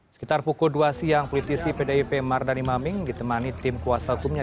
sekitar pukul dua siang politisi pdip mardani maming ditemani tim kuasa hukumnya